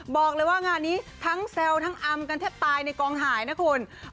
บอกเลยว่างานนี้ทั้งแซวทั้งอำกันแทบตายในกองหายนะคุณ